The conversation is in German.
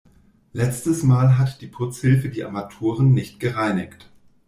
Letztes Mal hat die Putzhilfe die Armaturen nicht gereinigt.